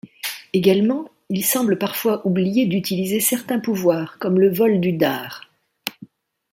Également, il semble parfois oublier d'utiliser certains pouvoirs, comme le vol du Dard.